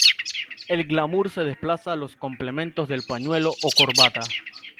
El glamour se desplaza a los complementos del pañuelo o corbata.